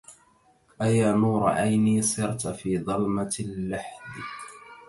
أيا نور عيني صرت في ظلمة اللحد